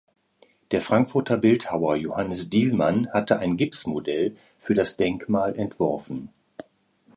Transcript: Der Frankfurter Bildhauer Johannes Dielmann hatte ein Gipsmodell für das Denkmal entworfen.